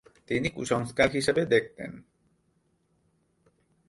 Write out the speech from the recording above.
তিনি কুসংস্কার হিসেবে দেখতেন।